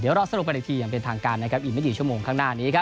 เดี๋ยวรอสรุปกันอีกทีอย่างเป็นทางการนะครับอีกไม่กี่ชั่วโมงข้างหน้านี้ครับ